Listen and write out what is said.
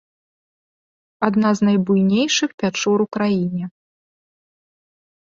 Адна з найбуйнейшых пячор у краіне.